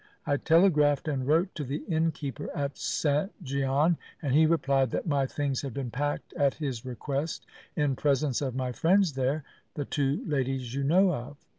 I telegraphed and wrote to the innkeeper at St. Gian, and he replied that my things had been packed at his request in presence of my friends there, the two ladies you know of.